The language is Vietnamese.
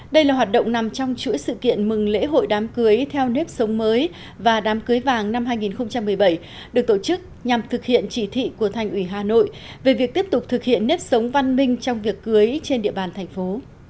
đây là hoạt động nằm trong chuỗi sự kiện mừng lễ hội đám cưới theo nếp sống mới và đám cưới vàng năm hai nghìn một mươi bảy được tổ chức nhằm thực hiện chỉ thị của thành ủy hà nội về việc tiếp tục thực hiện nếp sống văn minh trong việc cưới trên địa bàn thành phố